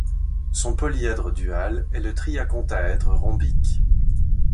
Son polyèdre dual est le triacontaèdre rhombique.